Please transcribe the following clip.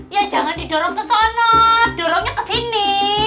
ya jangan didorong ke sana dorongnya ke sini